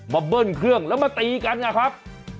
เบิ้ลเครื่องแล้วมาตีกันนะครับ